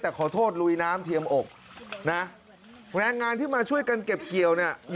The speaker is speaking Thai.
แต่ขอโทษลุยน้ำเทียมอกนะแรงงานที่มาช่วยกันเก็บเกี่ยวเนี่ย